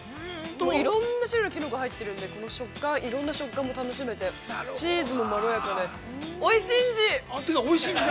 いろんな種類のきのこが入っているので、いろんな食感も楽しめて、チーズもまろやかで、おいしんじ。